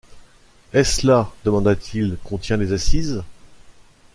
Est-ce là, demanda-t-il, qu’on tient les assises?